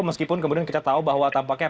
meskipun kemudian kita tahu bahwa tampaknya